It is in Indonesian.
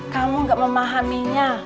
kamu nggak memahaminya